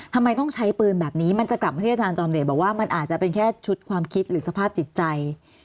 ทำไมต้องใช้ปืนแบบนี้มันจะกลับมาที่อาจารย์จอมเดชบอกว่ามันอาจจะเป็นแค่ชุดความคิดหรือสภาพจิตใจ